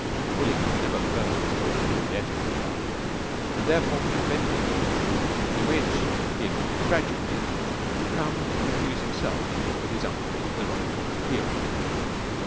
William had never heard the story of the death of the buck, and therefore had invented one in which he had gradually come to confuse himself with his uncle in the rôle of hero.